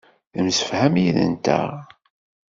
Temsefham yid-nteɣ.